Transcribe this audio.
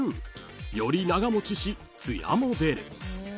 ［より長持ちし艶も出る］